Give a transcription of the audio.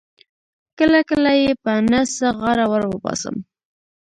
کله کله یې په نه څه غاړه ور وباسم.